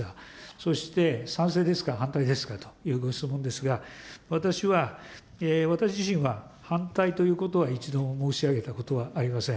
そして、賛成ですか、反対ですかというご質問ですが、私は、私自身は反対ということは一度も申し上げたことはありません。